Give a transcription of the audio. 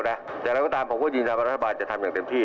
แต่ต่างผมก็ยืนที่และรัฐบาลจะทำอย่างเต็มที่